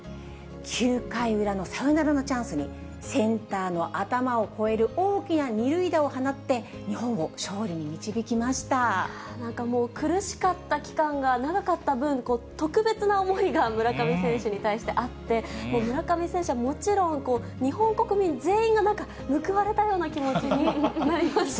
９回裏のサヨナラのチャンスに、センターの頭を越える大きな２塁打を放って日本を勝利に導きましなんかもう、苦しかった期間が長かった分、特別な思いが村上選手に対してあって、村上選手はもちろん、日本国民全員がなんか報われたような気持ちになりましたよね。